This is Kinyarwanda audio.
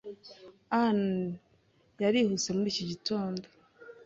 Ann yarihuse muri iki gitondo.